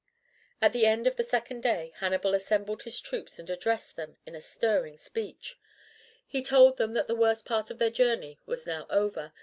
At the end of the second day Hannibal assembled his troops and addressed them in a stirring speech. He told them that the worst part of their journey was now over.